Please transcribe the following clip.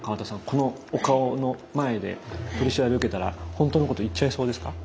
このお顔の前で取り調べを受けたら本当のこと言っちゃいそうですか？